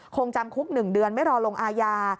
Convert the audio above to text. คงจำคุก๑เดือนไม่รอลงอาญา